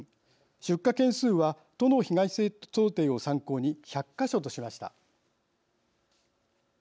出火件数は都の被害想定を参考に１００か所としました。